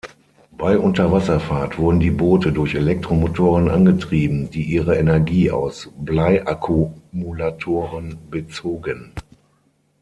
Bei Unterwasserfahrt wurden die Boote durch Elektromotoren angetrieben, die ihre Energie aus Bleiakkumulatoren bezogen.